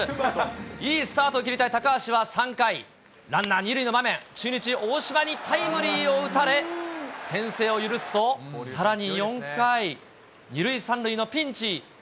いいスタートを切りたい高橋は３回、ランナー２塁の場面、中日、大島にタイムリーを打たれ、先制を許すと、さらに４回２塁３塁のピンチ。